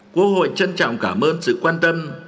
quốc hội trân trọng cảm ơn sự quan tâm